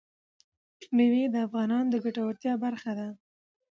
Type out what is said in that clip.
مېوې د افغانانو د ګټورتیا برخه ده.